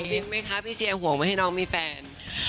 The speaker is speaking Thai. จริงไหมคะพี่เชียร์ห่วงไม่ให้น้องมีแฟน